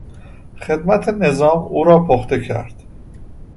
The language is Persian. خدمت نظام او را پخته کرد.